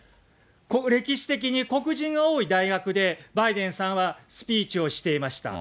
歴史的に黒人が多い大学で、バイデンさんはスピーチをしていました。